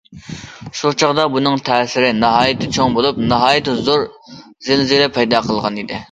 شۇ چاغدا بۇنىڭ تەسىرى ناھايىتى چوڭ بولۇپ، ناھايىتى زور زىلزىلە پەيدا قىلغان ئىدى.